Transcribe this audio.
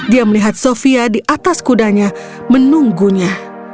dia melihat sofia di atas kudanya menunggunya